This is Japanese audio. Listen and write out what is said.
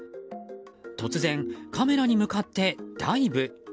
突然、カメラに向かってダイブ。